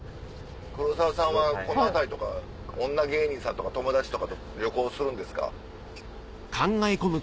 黒沢さんはこの辺りとか女芸人さんとか友達とかと旅行するんですか？